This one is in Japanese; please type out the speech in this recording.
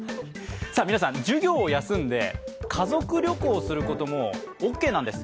皆さん、授業を休んで家族旅行することもオッケーなんです。